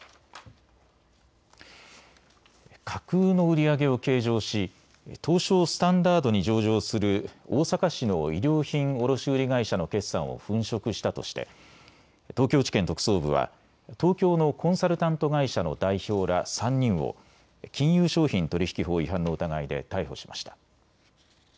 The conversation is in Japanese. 架空の売り上げを計上し東証スタンダードに上場する大阪市の衣料品卸売り会社の決算を粉飾したとして東京地検特捜部は東京のコンサルタント会社の代表ら３人を金融商品取引法違反の疑いで逮捕しました。